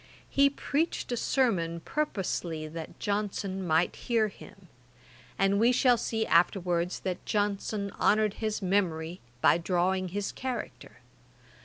He preached a sermon purposely that Johnson might hear him; and we shall see afterwards that Johnson honoured his memory by drawing his character.